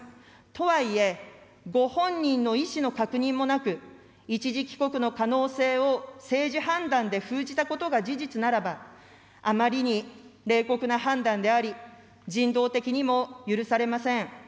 とはいえ、ご本人の意思の確認もなく、一時帰国の可能性を政治判断で封じたことが事実ならば、あまりに冷酷な判断であり、人道的にも許されません。